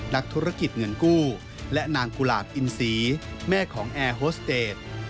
นักธุรกิจเงินกู้และนางกุหลาบอินซีแม่ของแอร์โฮสเตจ